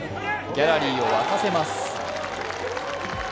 ギャラリーを沸かせます。